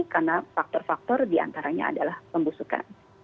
karena faktor faktor diantaranya adalah pembusukan